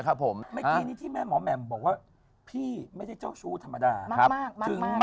ยังไม่มีรูปไม่มีเมียครับผม